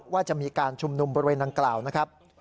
ว่าจะมีการชุมนุมบริเวณดังกล่าวนะครับ